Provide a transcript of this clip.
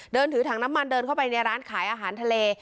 เดินถือถังน้ำมันเดินเข้าไปในร้านขายอาหารทะเล